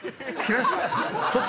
ちょっと！